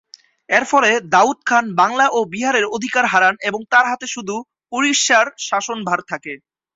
এর ফলে দাউদ খান বাংলা ও বিহারের অধিকার হারান এবং তার হাতে শুধু উড়িষ্যার শাসনভার থাকে।